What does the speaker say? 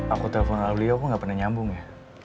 aku telpon ala beliau aku gak pernah nyambung ya